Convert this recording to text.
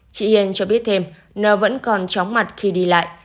chị hiền cho biết thêm n vẫn còn chóng mặt khi đi lại